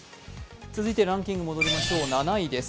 続いてランキング戻りましょう、７位です